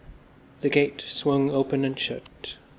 The gate swung open and shut.